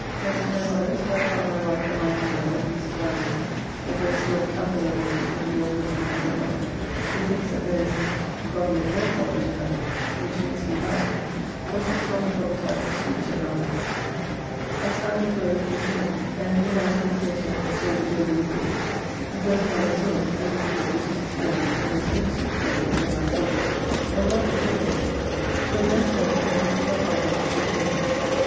Thence to my mother's, where I found my wife and my aunt Bell and Mrs. Ramsey, and great store of tattle there was between the old women and my mother, who thinks that there is, God knows what fallen to her, which makes me mad, but it was not a proper time to speak to her of it, and so I went away with Mr. Moore, and he and I to the Theatre, and saw "The Jovial Crew," the first time I saw it, and indeed it is as merry and the most innocent play that ever I saw, and well performed. From thence home, and wrote to my father and so to bed.